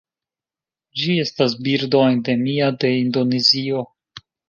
Ĝi estas birdo endemia de Indonezio.